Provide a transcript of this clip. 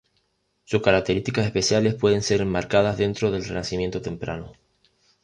Sus características especiales pueden ser enmarcadas dentro del renacimiento temprano.